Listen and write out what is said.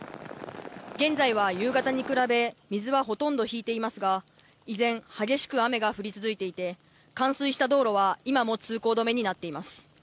現在は夕方に比べ、水はほとんど引いていますが依然激しく雨が降り続いていて冠水した道路は今も通行止めになっています。